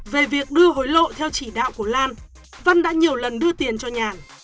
về việc đưa hối lộ theo chỉ đạo của lan văn đã nhiều lần đưa tiền cho nhàn